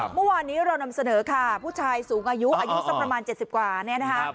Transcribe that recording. เมื่อวานนี้เรานำเสนอค่ะผู้ชายสูงอายุอายุสักประมาณ๗๐กว่าเนี่ยนะคะ